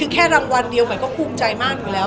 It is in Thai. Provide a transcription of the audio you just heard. แค่รางวัลเดียวใหม่ก็ภูมิใจมากอยู่แล้ว